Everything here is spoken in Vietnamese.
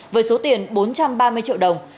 với số tiền bốn trăm ba mươi triệu đồng